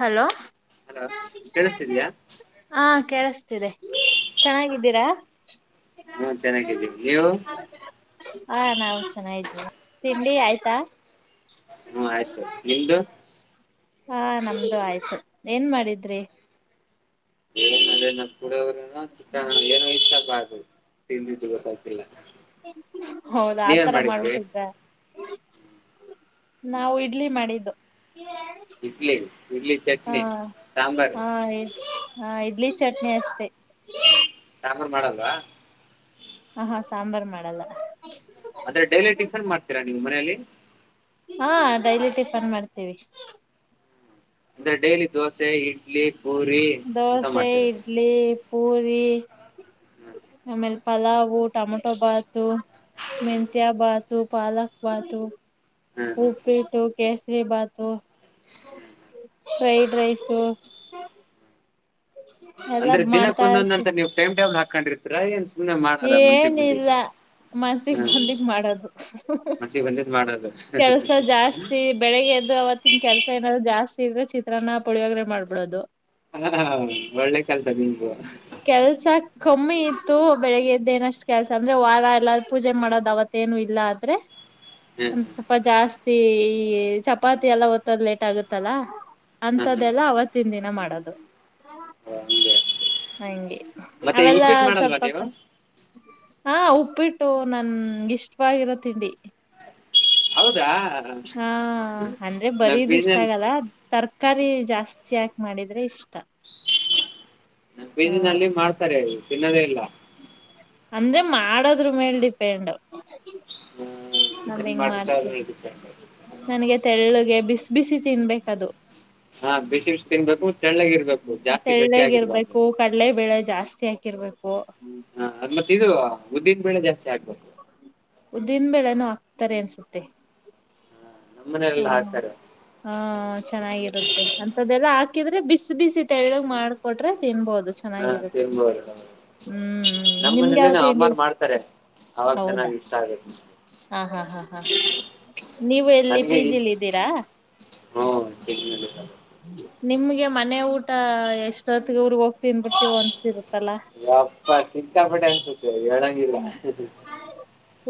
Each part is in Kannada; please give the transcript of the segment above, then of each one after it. ಹಲೋ ಹಲೋ ಕೇಳಿಸ್ತಿದೀಯಾ. ಹಾ ಕೇಳಸ್ತಿದೆ ಚೆನ್ನಾಗಿದ್ದೀರಾ. ಹ್ಮು ಚೆನ್ನಾಗಿದ್ದೀವಿ ನೀವು. ಹಾ ನಾವು ಚೆನ್ನಾಗಿದ್ವಿ ತಿಂಡಿ ಆಯ್ತಾ. ಹು ಆಯ್ತು ನಿಮ್ದು. ಹಾ ನಮ್ದು ಆಯ್ತು ಏನ್ ಮಾಡಿದ್ರಿ. [unintelligible] ಪುಳಿಯೊಗರೆನಾ, ಚಿತ್ರಾನ್ನ [unintelligible] ತಿಂದಿದ್ದು ಗೊತ್ತಾಗ್ತಿಲ್ಲ ಹೌದಾ ನೀವೇನ್ ಆತರ ಮಾಡಿದ್ರಿ. ಮಾಡ್ಬಿಟ್ಟಿದ್ರ ನಾವು ಇಡ್ಲಿ ಮಾಡಿದ್ದು. ಇಡ್ಲಿ, ಇಡ್ಲಿ, ಚಟ್ನಿ, ಸಾಂಬಾರ್. ಹಾಯ್ ಹಾ ಇಡ್ಲಿ, ಚಟ್ನಿ ಅಷ್ಟೇ. ಸಾಂಬಾರ್ ಮಾಡಲ್ವಾ. ಹ ಹ ಸಾಂಬರ್ ಮಾಡಲ್ಲ. ಅಂದ್ರೆ ಡೈಲಿ [unintelligible] ಮಾಡ್ತೀರಾ ನೀವು ಮನೆಯಲ್ಲಿ. ಹಾ ಡೈಲಿ ಟಿಫನ್ ಮಾಡ್ತೀವಿ. ಅಂದ್ರೆ ಡೈಲಿ ದೋಸೆ, ಇ ಡ್ಲಿ, ಪುರಿ ದೋಸೆ, ಇಡ್ಲಿ, ಪೂರಿ ಹ್ಮ ಆಮೇಲ್ ಪಲಾವು, ಟಮೊಟೊ ಬಾತು, ಮೆಂತ್ಯ ಬಾತು, ಪಾಲಕ್ ಬಾತು ಹ್ಮ ಉಪ್ಪಿಟ್ಟು, ಕೇಸರಿಬಾತು, ಫ್ರೈಡ್ ರೈಸು [unintelligible] ಅಂದ್ರೆ ಮಾಡ್ತಾ ದಿನಕ್ಕ ಇರ್ತಿ ಒಂದೊಂದಂತ ನೀವು ಟೈಮ್ ಟೇಬಲ್ ಹಾಕೊಂಡಿರ್ತಿರಾ ಏನ್ ಸುಮ್ನೆ ಮಾಡದ ಮನ್ಸಿಗೆ ಬಂದಿದ್ದು. ಹ್ಮ ಮನಸ್ಸಿಗ್ ಬಂದಿದ ಮಾಡೋದು ಮನ್ಸಿಗೆ ಬಂದಿದ್ ಕೆಲ್ಸ ಮಾಡೋದು ಜಾಸ್ತಿ ಬೆಳಗ್ಗೆ ಎದ್ದ್ ಅವತ್ತಿಂಗ್ ಕೆಲಸ ಏನಾದ್ರು ಜಾಸ್ತಿ ಇದ್ರೆ ಚಿತ್ರನ, ಪುಡಿಳಿಯೋಗ್ರೆ ಮಾಡ್ಬಿಡೋದು. ಹಾ ಒಳ್ಳೆ ಕೆಲ್ಸ [unintelligible] ಕೆಲ್ಸ ಕಮ್ಮಿ ಇತ್ತು ಬೆಳಿಗ್ಗೆದ್ದ ಏನ್ ಅಷ್ಟ ಕೆಲ್ಸ ಅಂದ್ರೆ ವಾರ ಎಲ್ಲ ಪೂಜೆ ಮಾಡೋದ ಅವತ್ತ್ ತ್ತೇನು ಇಲ್ಲ ಆದ್ರೆ ಒಂದ ಸ್ವಲ್ಪ ಜಾಸ್ತಿ ಚಪಾತಿ ಎಲ್ಲ ಒತ್ತೋದ್ ಲೇಟ್ ಆಗತ್ತಲ್ಲ. ಹ ಅಂತದೆಲ್ಲ ಅವತ್ತಿನ ದಿನ ಮಾಡೋದು. ಹಂಗೆ ಹಂಗೆ ಮತ್ತೆ ಅವೆಲ್ಲ ಉಪ್ಪಿಟ್ಟು ಮಾಡಲ್ವಾ ನೀವು ಸ್ವಲ್ಪ್ [unintelligible] ಹಾ ಉಪ್ಪಿಟ್ಟು ನನ್ಗ ಇಷ್ಟವಾಗಿರೋ ತಿಂಡಿ. ಹೌದಾ ಹ. ಹಾ ಅಂದ್ರೆ ಬರೀದ್ ಇಷ್ಟ ಆಗಲ್ಲ ತರ್ ಕಾರಿ ಜಾಸ್ತಿ ಹಾಕಿ ಮಾಡಿದ್ರೆ ಇಷ್ಟ. ಹ ಬಿದಿನಲ್ಲಿ ಮಾಡ್ತಾರೆ ತಿನ್ನೋದೇ ಇಲ್ಲ. ಅಂದ್ರೆ ಮಾಡೋದ್ರ ಮೇಲ್ ಡಿಪೆಂಡ್- ನಾವ್ ಹೆಂಗ್ ಮಾಡ್ತಾರೆ ಅನ್ನೋದು ಮಾಡ್ತೀವಿ ಡಿಪೆಂಡ್. ನನಗೆ ತೆಳ್ಳುಗೆ ಬಿಸಿ ಬಿಸಿ ತಿನ್ಬೇಕದು. ಹಾ, ಬಿಸಿ ಬಿಸಿ ತಿನ್ಬೇಕು ತೆಳ್ಳಗೆ ಇರ್ಬೇಕು ಜಾಸ್ತಿ ಗಟ್ಟಿ ತೆಳ್ಳಗೆ ಆಗಿರಬಾರ್ದು. ಇರ್ಬೇಕು ಕಡಲೆ ಬೇಳೆ ಜಾಸ್ತಿ ಹಾಕಿರ್ಬೇಕು. ಹಾ, ಅದ ಮತ್ತ್ ಇದು ಉದ್ದಿನ ಬೇಳೆ ಜಾಸ್ತಿ ಆಗ್ಬೇಕು. ಉದ್ದಿನ್ ಬೇಳೆನು ಆಕ್ತಾರೆ ಅನ್ಸುತ್ತೆ. ಹ ನಮ್ಮ ಹಾ ಮನೇಲೆಲ್ಲ ಹಾ ಹಾಕ್ತಾರೆ [inaudible] ಹಾ, ಚೆನ್ನಾಗಿರುತ್ತೆ ಅಂತದೆಲ್ಲಾ ಹಾಕಿದ್ರೆ ಬಿಸಿ ಬಿಸಿ ತೆಳ್ಳಗ್ ಮಾಡ್ಕೊಟ್ರೆ ತಿನ್ನಬಹುದು. ಹಾ ಚೆನ್ನಾಗಿರುತ್ತೆ ತಿನ್ಬೋದು ಹ್ಮ್, ನಮ್ಮ್ ನಿಮ್ಗೆ ಮನೇಲಿ ಯಾವತ್ತು ಅಮ್ಮಾರ್ ತಿಂಡಿಷ್ಟ ಮಾಡ್ತಾರೆ ಅವಾಗ ಹೌದಾ, ಚೆನ್ನಾಗಿ ಇಷ್ಟ ಆಗುತ್ತೆ ಹಾ, ಹಾ, ಹಾ ಹಾ ನೀವು ಎಲ್ಲಿ ಪಿ, ನನಗೆ ಈ ಜಿ, ಲಿ ಇದ್ದೀರಾ ಹ್ಮ್ ತಿಂದ್ಮೇಲೆ ನಿಮ್ಗೆ ಮನೆ ಊಟ ಎಷ್ಟೊತ್ತಿಗೆ ಊರಗ ಹೋಗ್ ತಿನ್ಬಿಡ್ತೀವ ಅನ್ಸಿರುತ್ತಲ್ಲಾ ಯಪ್ಪಾ ಸಿಕ್ಕಾಪಟ್ಟೆ ಹಸ್ತಿದಿವಿಹೇಳಂಗಿಲ್ಲ.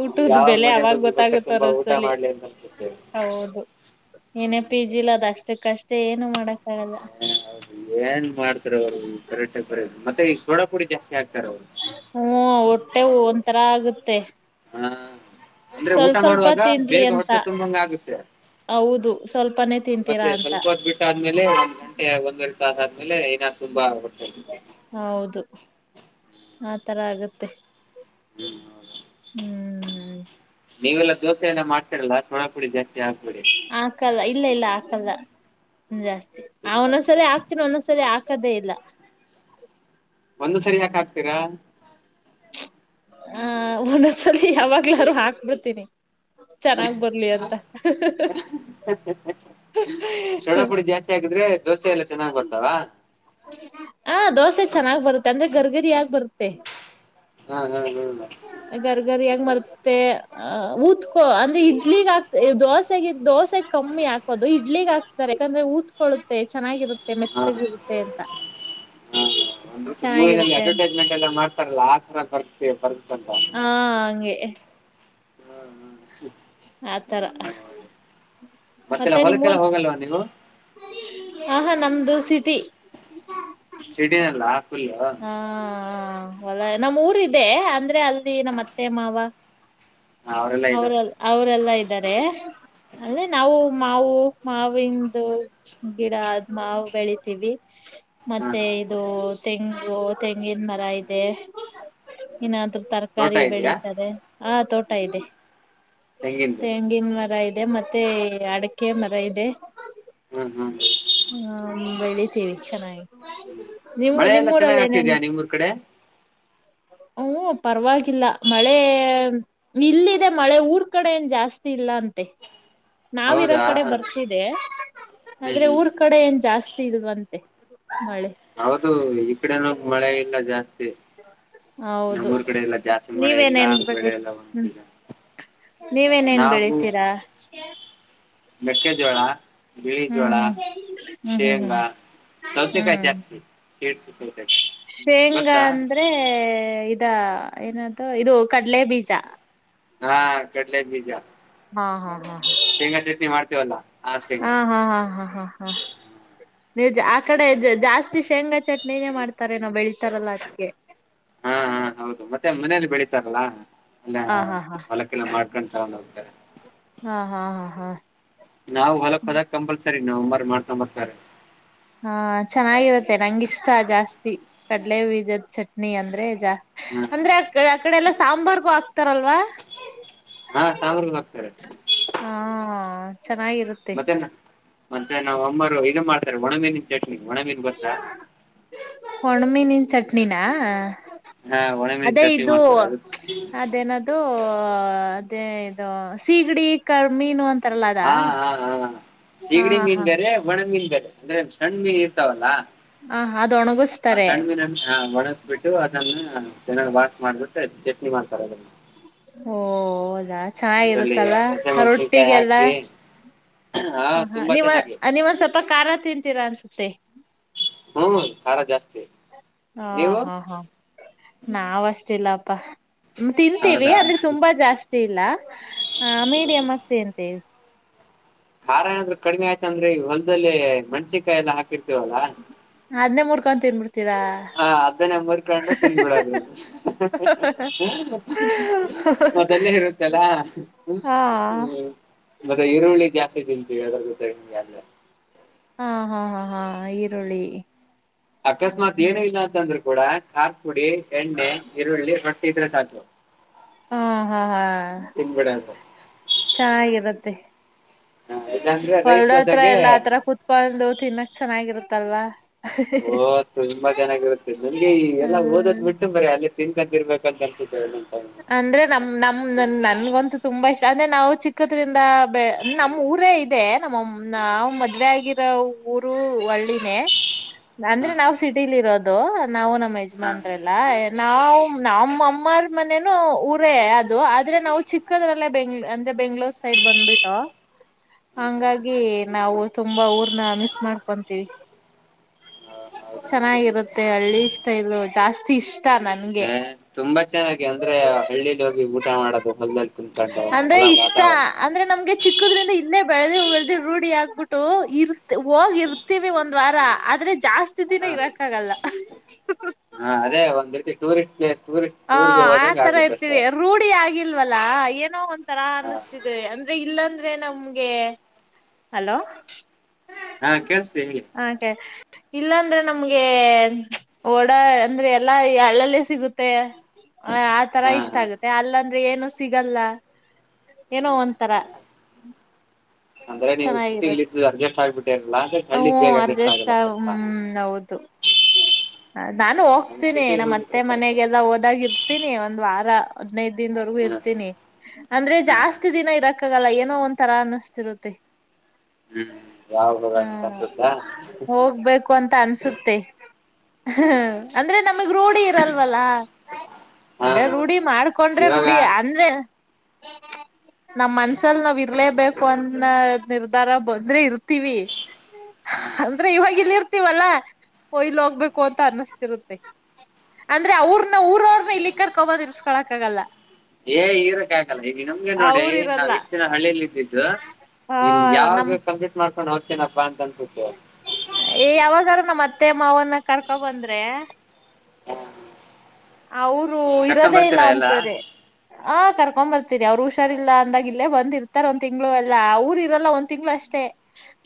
ಊಟದ್ ಯಾವ ಬೆಲೆ ಅವಾಗ ಮನೆಗೋಗಿ ಹೊಟ್ಟೆ ಗೊತ್ತಾಗುತ್ತ ತುಂಬಾ ಊಟ ಒಂದೊಂದ್ಸಲಿ. ಮಾಡ್ಲಿ ಅಂತ ಅನ್ಸುತ್ತೆ. ಹೌದು, ಏನೇ ಪಿ ಜಿ ಇಲ್ಲ ಅದು ಅಷ್ಟಕ್ಕಷ್ಟೇ ಏನು ಮಾಡಕ್ಕ ಆಗಲ್ಲ. ಹ ಹೌದು, ಏನ್ ಮಾಡ್ತಾರ ಅವ್ರು ಈ ಪರಟಕ್ [unintelligible] ಬರ ಮತ್ತೆ ಈಗ ಸೋಡಾ ಪುಡಿ ಜಾಸ್ತಿ ಹಾಕ್ತಾರೆ ಅವ್ರು. ಹ್ಮ್, ಹೊಟ್ಟೆಗ ಒಂಥರ ಆಗುತ್ತೆ. ಹಾ, ಅಂದ್ರೆ ಸ್ವಲ್ ಊಟ ಸ್ವಲ್ಪ ಮಾಡುವಾಗ ತಿನ್ಲಿ ಬೇಗ ಅಂತ. ಹೊಟ್ಟೆ ತುಂಬಿದಂಗ ಆಗುತ್ತೆ. ಹೌದು, ಸ್ವಲ್ಪನೇ ತಿಂತೀರಾ ಅಂತ ಬಿಟ್ಟಾದ್ಮೇಲೆ ಒಂದು ಗಂಟೆ ಒಂದೆರಡು ತಾಸ ಆದ್ಮೇಲೆ ಐನಾದ್ [unintelligible] ತುಂಬ ಹೌದು! ಆತರ ಆಗತ್ತೆ ಹ್ಮ್ ಹೌ [inaudible] ನೀವೆಲ್ಲಾ ದೋಸೆ ಎಲ್ಲ ಮಾಡ್ತಿರಲ್ಲಾ ಸೊಡಾ ಪುಡಿ ಜಾಸ್ತಿ ಹಾಕ್ಬೇಡಿ. ಹಾಕಲ್ಲ, ಇಲ್ಲ ಇಲ್ಲ ಹಾಕಲ್ಲ ಜಾಸ್ತಿ ಹಾ, ಒಂದದ್ಸರಿ ಹಾ, ಓಕ್ತೀನಿ ಒಂದೊದಸಲಿ ಹಾಕದೇ ಇಲ್ಲ. ಒಂದ್ ಸರಿ ಯಾಕೆ ಹಾಕ್ತೀರಾ ಹಾ, ಒಂದೊದಸಲಿ ಯಾವಾಗ್ಲಾದ್ರು ಹಾಕ್ಬಿಡ್ತೀನಿ. ಚೆನ್ನಾಗ್ ಬರ್ಲಿ ಅಂತ ಸೊಡಾಪುಡಿ ಜಾಸ್ತಿ ಆಕಿದ್ರೆ ದೋಸೆ ಎಲ್ಲ ಚೆನ್ನಾಗ್ ಬರ್ತಾವ ಹಾ, ದೋಸೆ ಚೆನ್ನಾಗ್ ಬರುತ್ತೆ ಅಂದ್ರೆ ಗರ್ಗರಿ ಆಗಿ ಬರುತ್ತೆ. ಹಾ, ಹಾ ಹೇಳುದ [unintelligible] ಗರ್ಗರಿಯ ಮರ್ತ್ತೆ [unintelligible] ಹಾ, ಉತ್ಕೊ ಅಂದ್ರೆ ಇಡ್ಲಿಗ ಆಗ್ತ ದೋಸೆಗ ದೋಸೆಗ್ ಕಮ್ಮಿ ಹಾಕೋದು ಇಡ್ಲಿಗ ಆಕ್ ಯಾಕಂದ್ರೆ ಉದತ್ಕೊಳ್ಳುತ್ತೆ ಚೆನ್ನಾಗಿರುತ್ತೆ ಹಾ ಮೆತ್ತಗೆ ಹಾ ಹ ಒಂದ್ ರೀತಿೂವಿನಲ್ಲಿ ಚೆನ್ನಾಗಿರುತ್ತೆ ಅಡ ಅಂತ [unintelligible] ಲ್ಲ ಮಾಡ್ತಾರಲ್ಲ ಆತರ ಬರ್ತೆ ಬರ್ತಲ್ಲ. - ಹಾ, ಹಂಗೆ ಹ್ಮ್ ಹ್ಮ [inaudible] ಆತರ ಮತ್ತೆಲ್ಲ ಮತ್ತೆ ಹೊಲಕ್ಕೆಲ್ಲ ನಿಮ್ಮೂರ್ ಹೋಗಲ್ವಾ ನೀವು ಆಹಾ, ನಮ್ದು ಸಿಟಿ ಸಿಟಿನಲ್ಲ ಫುಲ್ಲು ಹಾ ಹೊಲ ನಮ್ಮ್ ಊರ್ ಇದೆ ಅಂದ್ರೆ ಅಲ್ಲಿ ನಮ್ಮ್ ಅತ್ತೆ ಮಾವ ಅವರೆಲ್ಲ ಇದ್ದಾರೆ ಅವ್ರಲ್ಲ ಅವರೆಲ್ಲಾ ಇದ್ದಾರೆ. ಅಲ್ಲ ನಾವು ಮಾವು ಮಾವಿಂದು ಗಿಡ ಆದ ಮಾವು ಬೆಳಿತೀವಿ. ಹಾ ಮತ್ತೆ ಹಾ ಇದು ತೆಂಗು ತೆಂಗಿನಮರ ಇದೆ ಇನ್ನಾದ್ರೂ ತೋಟ ತರಕಾರಿ ಇದೆಯಾ ಬೆಳಿತಾರೆ. ಹಾ ತೋಟ ಇದೆ. ತೆಂಗಿಂದು ತೆಂಗಿನಮರ ಇದೆ ಮತ್ತೆ ಅಡಿಕೆ ಮರ ಇದೆ. ಹ್ಮ್ ಹ್ಮ್ ಹಾ ಬೆಳಿತೀವಿ ಚೆನ್ನಾಗಿ ನೀವು ಮಳೆ ಎಲ್ಲ ಚೆನ್ನಾಗ್ ನಿಮ್ಮೂರಲ್ಲಿ ಏನೇನ್ ಆಗ್ತಿದ್ಯಾ ನಿಮ್ಮೂರ್ ಕಡೆ ಹ್ಮ್ ಪರವಾಗಿಲ್ಲ ಮಳೆ ಇಲ್ಲಿದೆ ಮಳೆ ಊರ್ ರ್ ಕಡೆ ಏನ್ ಜಾಸ್ತಿ ಇಲ್ಲಾ ಅಂತೆ. ನಾವ್ ಇರೋ ಹೌದಾ ಕಡೆ ಬರ್ತಿದೇ ಹ್ಮ್ ಆದ್ರೆ ಹ್ಮ್ ಊರ್ ರ್ ಕಡೆ ಏನ್ ಜಾಸ್ತಿ ಇಲ್ವಂತೆ ಮಳೆ. ಹೌದು ಈ ಕಡೆನೂ ಮಳೆ ಇಲ್ಲಾ ಜಾಸ್ತಿ. ಹೌದು ನಮ್ಮೂರ್ ಕಡೆ ಎಲ್ಲಾ ಜಾಸ್ತಿ ಮಳೆ ಇಲ್ಲ ಬೆಳೆ ಇಲ್ಲ [unintelligible] ನೀವೇನ್ ಏನ್ ಬೆಳಿತೀರಾ. ಮೆಕ್ಕೆಜೋಳ ಬಿಳಿ ಹ್ಮ್ ಜೋಳ, ಹ್ಮ್ ಹ್ಮ್ ಹ್ಮ್ ಹ್ಮ್ ಶೇಂಗಾ, ಸೌತೆಕಾಯ್ ಹ್ಮ್ ಜಾಸ್ತಿ ಸೀಡ್ಸ್ ಸೌತೆಕಾಯಿ ಶೇಂಗಾ ಗೊತ್ತಾ ಅಂದ್ರೆ ಇದಾ ಏನ್ ಅದೂ ಇದು ಕಡ್ಲೆ ಬೀಜ ಹಾ ಕಡ್ಲೆಬೀಜ ಹಾ ಹಾ ಹಾ ಮಾಡ್ತೀವಲ್ಲ ಆ ಹ ಶೇಂಗಾ ಹಾ ಹಾ ಹಾ ಹಾ ಹಾ ಹಾ [inaudible] ನೀವ್ ಆ ಕಡೆ ಜಾಸ್ತಿ ಶೇಂಗಾ ಚಟ್ನಿನೇ ಮಾಡ್ತಾರೆ ಏನು ಬೆಳಿತಾರಲ್ಲಾ ಅದಕೆ. ಹಾ ಹಾ ಹೌದು ಮತ್ತೆ ಮನೇೆಯಲ್ಲಿ ಬೆಳಿತಾರಲ್ಲ ಅಲ್ಲ ಹಾ ಹಾ ಹಾ ಹೊಲಕ್ಕೆೆಲ್ಲ ಮಾಡ್ಕೊಂಡ್ ಸರ್ ನಮಸ್ಕಾರ ಹಾ ಹಾ ಹಾ ಹಾ ನಾವ್ ಹೊಲಕ್ ಹೋದಾಗ ಕಂಪಲ್ಸರಿ ನಮ್ ಅಮ್ಮರು ಮಾಡ್ಕೊಂಡು ಬರ್ತಾರೆ. ಹ ಚೆನ್ನಾಗಿರುತ್ತೆ ನಂಗಿಷ್ಟ ಜಾಸ್ತಿ ಕಡಲೆ ಬೀಜದ ಚಟ್ನಿ ಅಂದ್ರೆ ಜಾಸ್ತ್ ಹಾ ಅಂದ್ರೆ ಅ ಅಕಡೆ ಎಲ್ಲಾ ಸಾಂಬಾರ್ಗೂ ಹಾಕ್ತಾರಲ್ವಾ. ಹಾ ಸಂಬಾರ್ಗು ಹಾಕ್ತಾರೆ. ಹಾ ಚೆನ್ನಾಗಿರ್ ಮತ್ತೆ ಮತ್ತೆ ನಾವ್ ಅಮ್ಮರು ಇ ಮಾಡ್ತಾರೆ ಒಣ್ಣ ಮೀನಿನ ಚಟ್ನಿ ಒಣ್ಣ ಮೀನ್ ಗೊತ್ತಾ ಒಣ್ಣ ಮೀನಿನ್ ಚಟ್ನಿನಾ ಹಾ ಒಣಮೀನ್ ಅದೇ ಚಟ್ನಿ ಇದು ಮಾಡ್ತಾರೆ ಅದು ಅದೇನ್ ಅದ್ ದೂ ಅದೇ ಇದು ಸೀಗಡಿ ಕಾಳ್ ಮೀನ್ ಹಾ ಹಾ ಹಾ ಸೀಗಡಿ ಮೀನ್ ಹಾ ಬೇರೆ ಒಣ್ಣ ಮೀನ್ ಬೇರೆ. ಅಂದ್ರೆ ಸಣ್ಣ್ ಮೀನ್ ಇರ್ತಾವಲ್ಲ ಹಾ ಹ ಅದು ಆ ಒಣಗಿಸ್ತಾರೆ ಸಣ್ಣ ಮೀನಿನ್ ಒಣ್ ಬಿಟ್ಟು ಅದನ್ನ ಚೆನ್ನಾಗ್ ವಾಶ್ ಮಾಡ್ಬಿಟ್ಟು ಚಟ್ನಿ ಮಾಡ್ತಾರ ಅದನ್ನ ಓ ಆದಾ ಚೆನ್ನಾಗಿ ಅದ್ರಲ್ಲಿ ಇರುತ್ತಲ್ಲ ಹಸೆ ಮೆಣಸಿನ್ಕಾಯಿ ರೊಟ್ಟಿಗೆಲ್ಲ. ಹಾಕಿ ಹಾ ಹಾ ತುಂಬಾ ನೀವ ಚೆನ್ನಾಗಿ ನೀವ ಒನ್ ಸ್ವಲ್ಪ ಖಾರ ತಿಂತೀರಾ ಅನ್ಸುತ್ತೆ. ಹು ಖಾರ ಜಾಸ್ತಿ ಹಾ ನೀವು. ಹಾ ಹಾ ನಾವ್ ಅಷ್ಟ ಇಲ್ಲಪ್ಪ ತಿಂತೀವಿ ಹೌದಾ ಅಂದ್ರೆ ತುಂಬಾ ಜಾಸ್ ತ್ತಿಲ್ಲ ಆ ಮೀಡಿಯಂ ಆಗಿ ತಿಂತ್ತೀವಿ. ಖಾರ ಏನ್ ಆದ್ರೂ ಕಡಿಮೆ ಆಯ್ತು ಅಂದ್ರೆ ಈ ಹೊಲದಲ್ಲಿ ಮೆಣಸಿನಕಾಯಿ ಎಲ್ಲಾ ಹಾಕಿರ್ತೀವಲ್ಲಾ. ಅದ್ನೇ ಮೂರ್ಕೊಂಡು ತಿಂದುಬಿಡ್ತೀರಾ. ಹಾ ಹಾ ಅದನ್ನೇ ಮೂರ್ಕೊಂಡು ತಿಂದ್ ಬಿಡೋದು. ಮೊದಲ್ಲೇ ಇರುತ್ತಲ್ಲಾ ಹ್ಮ್ ಹು ಹಾ ಮತ್ತೆ ಈರುಳ್ಳಿ ಜಾಸ್ತಿ ತಿಂತೀವಿ ಅದ್ರೂ ಜೊತೆಗೆ ಎಲ್ಲಾ ಹಾ ಹಾ ಹಾ ಹಾ ಈರುಳ್ಳಿ ಅಕಸ್ಮಾತ್ ಏನು ಇಲ್ಲ ಅಂತಂದ್ರರು ಕೂಡ ಖಾರ್ ಪುಡಿ ಎಣ್ಣೆ ಈರುಳ್ಳಿ ರೊಟ್ಟಿ ಇದ್ರ ಸಾಕು ಹಾ ಹಾ ಹಾ ತಿನ್ಬಿಡದು ಚೆನ್ನಾಗಿರುತ್ತೆ ಹ ಇಲ್ಲಾಂದ್ರೆ ರೈಸ್ ಹೊಲದ್ ಹತ್ರ ಜೊತೆಗೆ ಎಲ್ಲ ಆತರ ಕೂತ್ಕೊಂಡು ತಿನ್ನಕ್ ಚೆನ್ನಾಗಿರತ್ತಲ್ವಾ ಓ ತುಂಬಾ ಚೆನ್ನಾಗಿರುತ್ತೆ ನನ್ಗೆ ಈ ಎಲ್ಲಾ ಓದೋದ್ ಹ್ಮ್ ಬಿಟ್ಟು ಬರೆ ಅಲ್ಲೆ ತಿನ್ನಕಂತ್ ಇರಬೇಕು ಅಂತ ಅನ್ಸುತ್ತೆ ಒಂದ್ ಒಂದ್ ಸಲ್ ಅಂದ್ರೆ ನಮ ನಮ್ ನನ್ಗಂತೂ ತುಂಬಾ ಇಷ್ಟ ಅಂದ್ರೆ ನಾವು ಚಿಕ್ಕದ್ರಿಂದ ಬೆ ನಮ್ಮ್ ಊರೇ ಇದೆ ನಮ್ಮ ನಾವ ಮದ್ವೆ ಆಗಿರೋ ಊರು ಒಳ್ಳಿನೇ ಹಾ ಅಂದ್ರೆ ನಾವ್ ಸಿಟಿಲಿ ಇರೋದು ನಾವು ನಮ್ಮ್ ಹಾ ಯಜಮಾನ್ರ ಎ ಎಲ್ಲ ನಾವ್ ನಮ್ಮಮ್ಮರ್ ಮನೇನು ಊರೇ ಅದು ಆದ್ರೆ ನಾವು ಚಿಕ್ಕದ್ರಲ್ಲೇ ಬೆಂಗ್ ಅಂದ್ರೆ ಬೆಂಗ್ಳೂರ್ ಸೈಡ್ ಬಂದ್ಬಿಟ್ಟೂ ಹಾ ಹಂಗಾಗಿ ನಾವು ತುಂಬಾ ಊರ್ನ ಮಿಸ್ ಮಾಡ್ಕೊಂತೀವಿ ಹಾ ಹೌದು ಮತ್ತೆ ಚೆನ್ನಾಗಿರುತ್ತೆ ಹಳ್ಳಿ ಇಷ್ಟ ಇದು ಜಾಸ್ತಿ ಇಷ್ಟ ನನ್ಗೆ ಏ ತುಂಬಾ ಚೆನ್ನಾಗಿ ಅಂದ್ರೆ ಹಳ್ಳಿಲ ಹೋಗಿ ಊಟ ಮಾಡೋದು ಹೊಲ್ದಲ್ಲ್ ಕೂತ್ಕೊಂಡು ಅಂದ್ರೆ ಹೊಲ ಇಷ್ಟ ವಾತಾವರಣ ಅಂದ್ರೆ ನಮ್ಗೆ ಚಿಕ್ಕದ್ರಿಂದ ಇಲೇ ಬೆಳೆದಿ ಬೆಳೆದಿ ರೂಢಿ ಆಗ್ಬಿಟ್ಟು ಇರ್ ಹೋಗ್ ಇರ್ತಿವಿ ಒಂದ್ ವಾರ ಆದ್ರೆ ಜಾಸ್ತಿ ದಿನ ಹಾ ಇರಕ್ಕ ಆಗಲ್ಲ ಹಾ ಅದೇ ಒಂದ ರೀತಿ ಟೂರಿಸ್ಟ್ ಪ್ಲೇಸ್ ಟೂರಿಸ್ಟ್ ಹ ಟೂರ್ಗೆ ಹೋದಂಗ ಆತರ ಆಗುತ್ತೆ ಅಷ್ಟೇ ಇರ್ತೀವಿ ರೂಢಿ ಆಗಿಲ್ವಲ್ಲಾ ಏನೋ ಒಂಥರ ಹಾ ಅನಸ್ತಿ ಅಂದ್ರೆ ಇಲ್ಲಂದ್ರೆ ನಮ್ಗೆ ಅಲೋ ಹಾ ಕೇಳಿಸ್ತಿದೆ ಹೇಳಿ ಹಕೆ ಇಲ್ಲಂದ್ರೆ ನಮ್ಗೆ ಓಡಾ ಅಂದ್ರೆ ಎಲ್ಲಾ ಅಲ್ಲಲ್ಲೆ ಸಿಗುತ್ತೆ ಹ ಆತರ ಹಾ ಇಷ್ಟ ಹಾ ಆಗತ್ತೆ ಅಲ್ಲ ಅಂದ್ರೆ ಏನು ಸಿಗಲ್ಲ ಏನೋ ಹ್ಮ್ ಒಂತರ ಹೌದು ಅಂದ್ರೆ ನೀವು ಸಿಟಿಲ್ಲಿ ಇದ್ದ್ ಅಡ್ಜಸ್ಟ್ ಆಗ್ಬಿಟಿರಲ್ಲ ಅದಕ್ಕ್ ಹ್ಮ್ ಅಡ್ಜಸ್ಟ್ ಹ್ಮ್ ಹೌದು ಹ ನಾನು ನಮ್ ಹೋಗ್ತೀನಿ ಸಿಟಿಗೆ ನಮ್ಮ ಅತ್ತೆ ಹೋಗ್ಬಿಟ್ರೆ ಸಾಕು ಮನೆಗೆಲ್ಲ ಹೋದಾಗ ಇರ್ತೀನಿ ಒಂದ್ ವಾರ ಹದ್ನೈದ ದಿನದವರಗೂ ಹ್ಮ್ ಇರ್ತೀನಿ ಅಂದ್ರೆ ಹ್ಮ್ ಜಾಸ್ತಿ ದಿನ ಇರಾಕ್ ಕಾಗಲ್ಲ ಏನೋ ಒಂತರ ಅನ್ನಿಸ್ತಿರುತ್ತೆ ಹ್ಮ ಹ್ಮ ಹೋಗ್ಬೇಕು ಅಂತ ಅನ್ಸತ್ತೆ ಹ್ಮ ಹ್ಮ್ ಅಂದ್ರೆ ನಮಗ್ ರೂಢಿ ಇರಲ್ವಲ್ಲ ಹಾ ಅಂದ್ರೆ ಹಾ ರೂಢಿ ಮಾಡ್ಕೊಂಡ್ರೆ ಇವಾಗ ರೂಢಿ ಅಂದ್ರೆ ನಮ ಮನ್ಸಲ್ ನಾವ್ ಇರ್ಲೇಬೇಕು ಅನ್ನ ನಿರ್ಧಾರ ಬಂದ್ರೆ ಇರುತ್ತ ತ್ತಿವಿ ಹಾ ಅಂದ್ರೆ ಇವಾಗಿಲ್ಲರ್ ತಿವಲ್ಲಾ ಓ ಇಲ್ಲ್ ಹೋಗ್ಬೇಕು ಅಂತ ಅನ್ನಸತಿರುತ್ತೆ ಅಂದ್ರೆ ಅವ್ರನ ಊರ ಅವ್ರರು ಇಲ್ಲಿಗ್ ಕರ್ಕೊಬಂದ್ ಇರ್ಸ್ಕೊಳಕ್ಕಾಗಲ್ಲ ಏ ಇರಕ್ಕೆ ಆಗಲ್ಲ ಈಗ ನಮ್ಗೆ ನೋಡಿ ಅವ್ರ ಇರಲ್ಲ ನಾವ್ ಇಷ್ಟ ದಿನ ಹಳ್ಳಿಯಲಿ ಇದ್ದಿದ್ದು ಆ ಇನ್ನ ಯಾವಗ ನಮ್ ಬೇಗ್ ಕಂಪ್ಲೀಟ್ ಮಾಡ್ಕೊಂಡು ಹೂಗತಿನಪ್ಪಾ ಅಂತ ಅನ್ಸುತ್ತೆ ಏ ಯಾವಾಗಾರ ನಮತ್ತೆ ಮಾವನ್ನ ಕರ್ಕೊಬಂದ್ರೆ ಅವರು ಕರ್ಕೊಂಡ್ ಇರೋದೇ ಇಲ್ಲ ಬರ್ತೀರಾ ಎಲ್ಲಾ ಅಂತಾರೆ ಆ ಕರ್ಕೊಂಬರ್ತೀನಿ ಅವ್ರು ಹುಷಾರಿಲ್ಲ ಅಂದಾಗ ಇಲ್ಲೇ ಬಂದಿರ್ತಾರ ಒಂದ್ ತಿಂಗಳು ಎಲ್ಲ್ ಅವರು ಇರಲ್ಲ ಒಂದ್ ತಿಂಗಳು ಅಷ್ಟೇ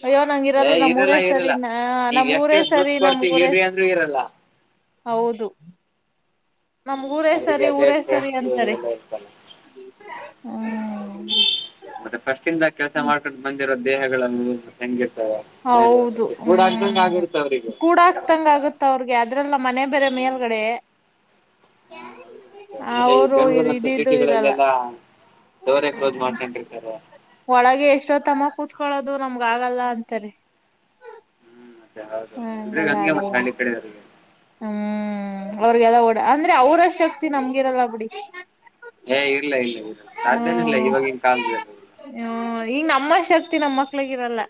ಅಯ್ಯೋ ನಂಗ ಏ ಇರಲ್ಲ ನಮ್ ಊರೇ ಸರಿ ಇರಲ್ಲ ನ ನೀವ್ ನಮ್ ಎಷ್ಟು ಊರೇ ದುಡ್ಡು ಸರಿ ನಮ್ ಕೊಡ್ತೀವಿ ಊರ ಇರ್ರಿ ಅಂದ್ರೂ ಇರಲ್ಲ ಹೌದು ನಮ್ಗ ಊರೇ ಅವ್ರಿಗೆ ಸರಿ ಅದೇ ಊರೇ ಸರಿ ಫ್ರೆಂಡ್ಸ್ ಅಂತಾರೆ ಎಲ್ಲ ಇರ್ತಲ್ಲ ಹ್ಮ ಮತ್ತೆ ಫಸ್ಟ್ ಇಂದ ಕೆಲಸ ಮಾಡ್ಕೊಂಡ ಬಂದಿರೋ ದೇಹಗಳನ್ನು ಹೆಂಗಿತ್ತ ಹೌದು ಮನೆಯಲ್ಲಿ ಕೂಡ ಅಗದಂಗ ಆಗಿರುತ್ತೆ ಅವ್ರಗೂ ತಂಗ ಆಗುತ್ತ ಅವ್ರಿಗೆ ಅದ್ರಲ್ಲ ಮನೆ ಬೇರೆ ಮೇಲ್ಗಡೆ [unintelligible] ಮತ್ತೆ ಈ ಅವರು ಬೆಂಗಳೂರು ಇದು ಇದು ಇರಲ್ಲ ಡೋರ್ ಕ್ಲೋಸ್ ಮಾಡ್ಕೊಂಡ್ರಿ ಇರ್ತಾರೆ ಒಳಗೆ ಎಷ್ಟೋ ತಮ್ಮ ಕೂತ್ಕೊಳ್ಳೋದು ನಮ್ಗ ಆಗಲ್ಲ ಅಂತಾರೆ ಅ ಹೌದೌಲ್ ಹಂಗಲ್ಲ ಹಂಗೆ ಮತ್ತ ಆಗಲ್ಲ ಹಳ್ಳಿ ಕಡೆದಗೆ ಹ್ಮ್ ಅವ್ರಗೆಲ್ಲ ಓಡ ಅಂದ್ರೆ ಅವ್ರ ಶಕ್ತಿ ನಮ್ಗಿರಲ್ಲ ಬಿಡಿ ಏ ಇಲ್ಲ ಇಲ್ಲ ಇಲ್ಲ ಸಾಧ್ಯನ ಇಲ್ಲ ಇವಾಗಿನ್ ಕಾಲ ಹ ಈಗ ನಮ್ಮ ಶಕ್ತಿ ನಮ್ಮ ಮಕ್ಳಗಿರಲ್ಲ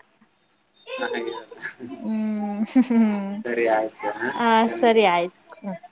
ಹ ಹಾಗಲ್ಲ ಹ್ಮ್ ಹ್ಮ್ ಸರಿ ಆಯ್ತು ಹಾ ಚೆನ್ನಾಗಿ ಆಯ್ತ